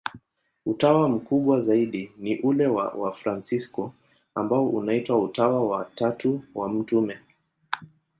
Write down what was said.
Utawa mkubwa zaidi ni ule wa Wafransisko, ambao unaitwa Utawa wa Tatu wa Mt.